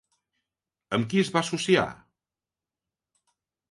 Amb qui es va associar?